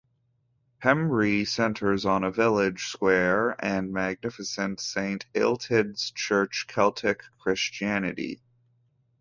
Pembrey centres on a village square and magnificent Saint Illtyd's Church Celtic Christianity.